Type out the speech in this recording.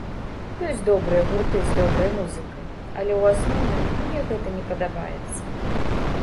Ёсць добрыя гурты з добрай музыкай, але ў асноўным мне гэта не падабаецца.